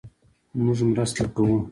مونږ مرسته کوو